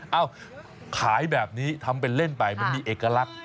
ขายแบบนี้ทำเป็นเล่นไปมันมีเอกลักษณ์